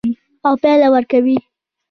او پایله ورکوي.